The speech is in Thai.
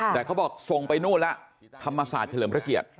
แต่เขาบอกส่งไปนู่นแล้วธรรมศาสตร์เฉลิมพระเกียรติ